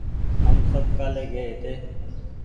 هم سب ڪآلي گئي هيتي